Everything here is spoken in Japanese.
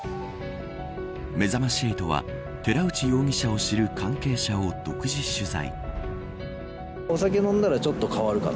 めざまし８は寺内容疑者を知る関係者を独自取材。